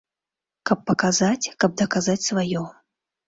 Каб паказаць, каб даказаць сваё.